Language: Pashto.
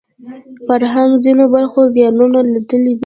فرهنګ ځینو برخو زیانونه لیدلي دي